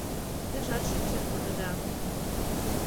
Тежат шинчен кодыда